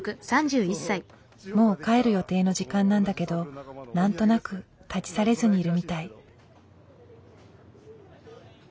もう帰る予定の時間なんだけど何となく立ち去れずにいるみたい。